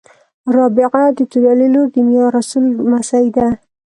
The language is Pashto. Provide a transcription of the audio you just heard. رابعه د توریالي لور د میارسول لمسۍ ده